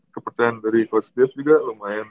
kepercayaan dari coach bios juga lumayan